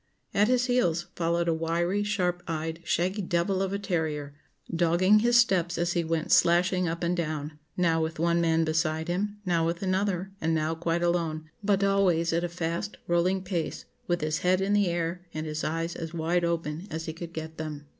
At his heels followed a wiry, sharp eyed, shaggy devil of a terrier, dogging his steps as he went slashing up and down, now with one man beside him, now with another, and now quite alone, but always at a fast, rolling pace, with his head in the air, and his eyes as wide open as he could get them.